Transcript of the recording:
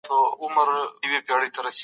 که همکاري زياته سي نو ستونزي به کمي سي.